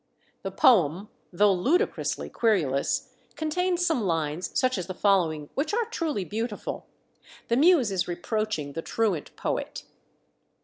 The poem, though ludicrously querulous, contains some lines, such as the following, which are truly beautiful. The muse is reproaching the truant poet.